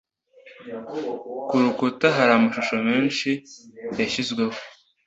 Ku rukuta hari amashusho menshi yashizweho.